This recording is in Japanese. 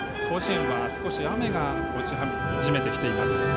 甲子園は少し雨が落ち始めてきています。